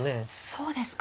そうですか。